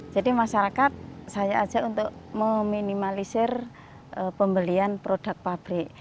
jadi masyarakat saya ajak untuk meminimalisir pembelian produk pabrik